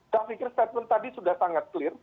saya pikir statement tadi sudah sangat clear